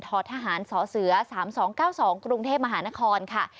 ทศ๓๒๙๒กรุงเทพฯมหานครค่ะ